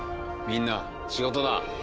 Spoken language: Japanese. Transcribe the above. みんな仕事だ。